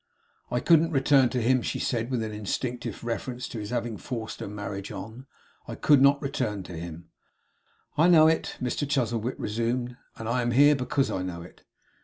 'I couldn't return to him,' she said, with an instinctive reference to his having forced her marriage on. 'I could not return to him.' 'I know it,' Mr Chuzzlewit resumed; 'and I am here because I know it.